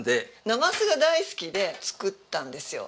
なますが大好きで作ったんですよ。